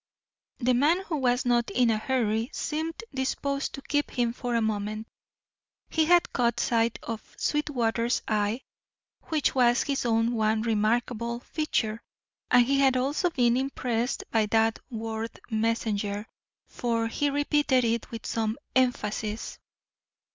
The man who was not in a hurry seemed disposed to keep him for a moment. He had caught sight of Sweetwater's eye, which was his one remarkable feature, and he had also been impressed by that word messenger, for he repeated it with some emphasis.